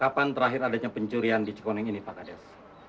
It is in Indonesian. kapan terakhir adanya pencurian di cikoneng ini pak kades